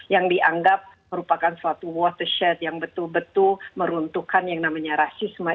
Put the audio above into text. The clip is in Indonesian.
yang dianggap merupakan suatu water share yang betul betul meruntuhkan yang namanya rasisme